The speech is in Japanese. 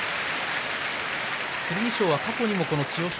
剣翔は過去にも千代翔